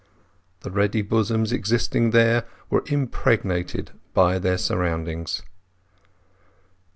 The ready bosoms existing there were impregnated by their surroundings.